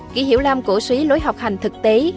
kỷ hiểu lam cổ suý lối học hành thực tế